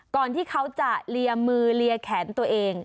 ก่อนที่เขาจะเลียมือเลียแขนตัวเอง